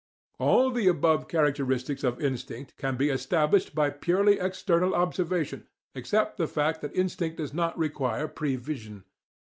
All the above characteristics of instinct can be established by purely external observation, except the fact that instinct does not require prevision.